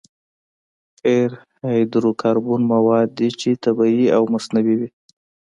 قیر هایدرو کاربن مواد دي چې طبیعي او مصنوعي وي